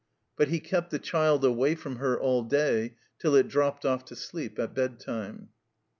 But he kept the child away from her all day till it dropped off to sleep at bedtime.